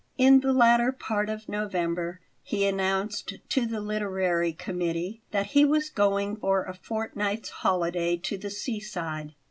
In the latter part of November he announced to the literary committee that he was going for a fortnight's holiday to the seaside.